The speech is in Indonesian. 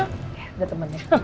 oke sudah teman ya